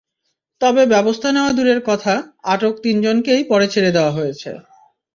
তবে ব্যবস্থা নেওয়া দূরের কথা, আটক তিনজনকেই পরে ছেড়ে দেওয়া হয়েছে।